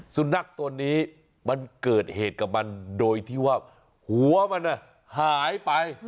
สุนัขตัวนี้มันเกิดเหตุกับมันโดยที่ว่าหัวมันหายไป